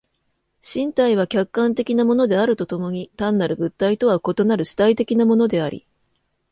身体は客観的なものであると共に単なる物体とは異なる主体的なものであり、